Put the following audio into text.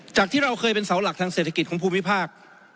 ที่เราเคยเป็นเสาหลักทางเศรษฐกิจของภูมิภาค